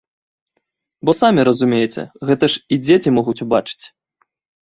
Бо самі разумееце, гэта ж і дзеці могуць убачыць.